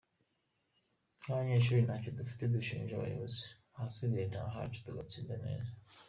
Nk’abanyeshuri ntacyo dufite dushinja abayobozi, ahasigaye ni ahacu tugatsinda neza.